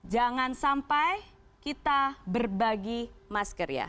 jangan sampai kita berbagi masker ya